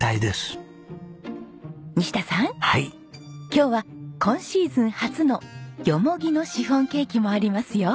今日は今シーズン初のヨモギのシフォンケーキもありますよ。